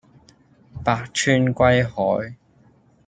百川歸海